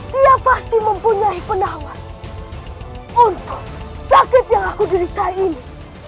dia pasti mempunyai penamat untuk sakit yang aku derita ini